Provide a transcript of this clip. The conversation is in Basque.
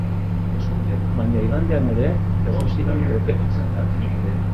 Baina igandean ere, egon ziren kroketak.